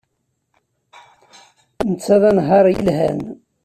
Netta d anehhaṛ yelhan.